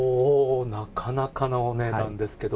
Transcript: なかなかなお値段ですけど。